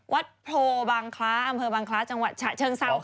วัดโผบางคล้าอบางคล้าจังหวัดเชิงเท้าค่ะ